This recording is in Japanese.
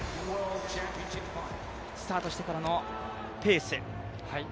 スタートしてからのペースですね。